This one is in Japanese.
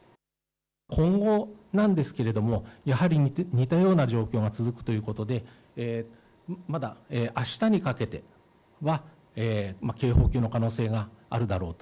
今後なんですけれどもやはり似たような状況が続くということでまだ、あしたにかけては警報級の可能性があるだろうと。